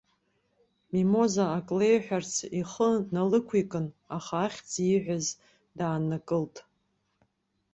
Мимоза акы леиҳәарц ихы налықәикын, аха ахьӡ ииҳәаз дааннакылт.